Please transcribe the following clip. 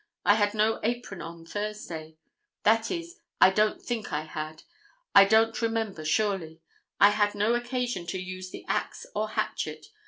I had no apron on Thursday; that is, I don't think I had. I don't remember surely. I had no occasion to use the axe or hatchet.